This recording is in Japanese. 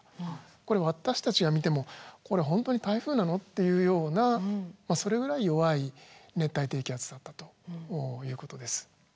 これ私たちが見ても「これ本当に台風なの？」っていうようなそれぐらい弱い熱帯低気圧だったということです。